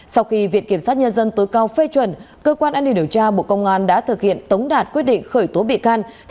sau khi viện kiểm sát nhân dân tối cao phê chuẩn cơ quan an ninh điều tra bộ công an đã thực hiện tống đạt quyết định khởi tố bị can